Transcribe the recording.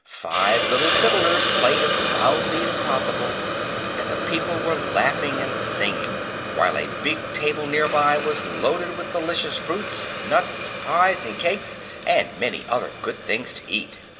Five little fiddlers played as loudly as possible, and the people were laughing and singing, while a big table near by was loaded with delicious fruits and nuts, pies and cakes, and many other good things to eat.